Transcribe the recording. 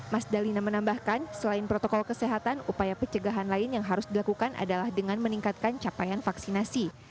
mas dalina menambahkan selain protokol kesehatan upaya pencegahan lain yang harus dilakukan adalah dengan meningkatkan capaian vaksinasi